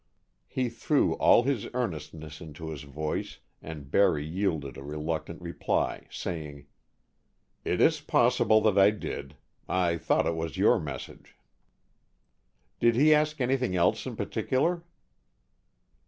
He threw all his earnestness into his voice and Barry yielded a reluctant reply, saying, "It is possible that I did. I thought it was your message." "Did he ask anything else in particular?"